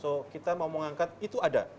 atau kita mau mengangkat itu ada